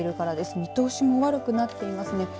見通しも悪くなっていますね。